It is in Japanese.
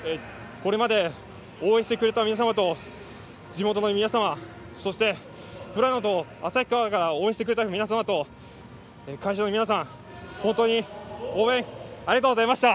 これまで応援してくれた皆様と地元の皆様、そして富良野と旭川で応援してくれた皆さんと会場の皆さん、本当に応援ありがとうございました。